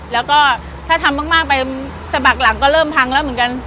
แล้วก็ถ้าทำมากไปสะบักหลังก็เริ่มพังแล้วเหมือนกัน